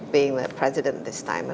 menjadi presiden pada saat ini